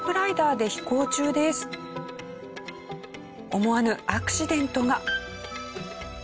思わぬアクシデントが。